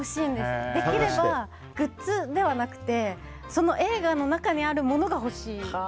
できれば、グッズではなくてその映画の中にあるものが欲しい。